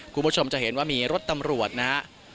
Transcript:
คุณผู้ชมจะเห็นว่ามีรถตำรวจนะฮะ